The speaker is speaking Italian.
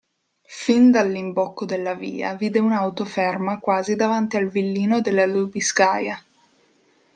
Fin dall'imbocco della via, vide un'auto ferma quasi davanti al villino della Lubiskaja.